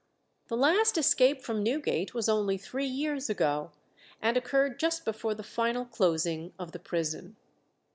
The last escape from Newgate was only three years ago, and occurred just before the final closing of the prison.